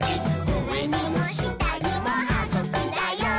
うえにもしたにもはぐきだよ！」